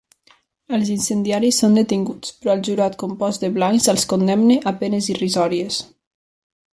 Els incendiaris són detinguts, però el jurat compost de blancs els condemna a penes irrisòries.